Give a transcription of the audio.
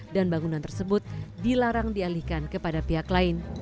dan bangunan tersebut dilarang dialihkan kepada pihak lain